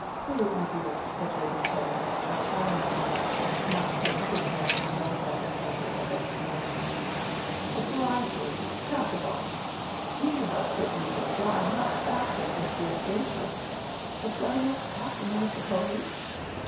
"Who, my dear?" said Lady Chettam, a charming woman, not so quick as to nullify the pleasure of explanation. "The bridegroom—Casaubon. He has certainly been drying up faster since the engagement: the flame of passion, I suppose."